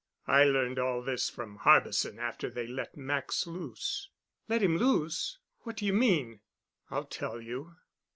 I learned all this from Harbison after they let Max loose." "Let him loose? What do you mean?" "I'll tell you.